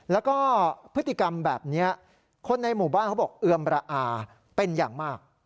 แล้วก็พฤติกรรมแบบนี้คนในหมู่บ้านเขาบอกเอือมระอาเป็นอย่างมาก